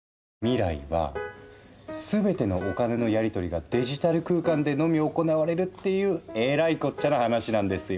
未来は全てのお金のやりとりがデジタル空間でのみ行われるっていうえらいこっちゃな話なんですよ。